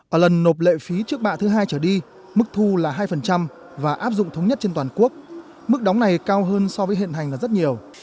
ở lần nộp lệ phí trước bạ thứ hai trở đi mức thu là hai và áp dụng thống nhất trên toàn quốc mức đóng này cao hơn so với hiện hành là rất nhiều